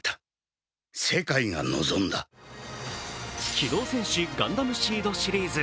「機動戦士ガンダムＳＥＥＤ」シリーズ。